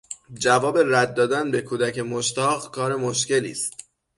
جواب رد دادن به کودک مشتاق کار مشکلی است.